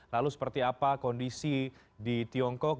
lalu seperti apa kondisi di tiongkok